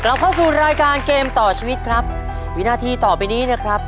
เข้าสู่รายการเกมต่อชีวิตครับวินาทีต่อไปนี้นะครับ